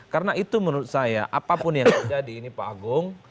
karena itu menurut saya apapun yang terjadi ini pak agung